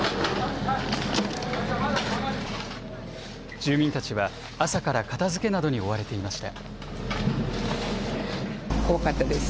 住民たちは朝から片づけなどに追われていました。